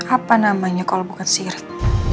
apa namanya kalau bukan si irt